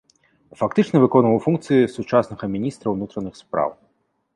Фактычна выконваў функцыі сучаснага міністра ўнутраных спраў.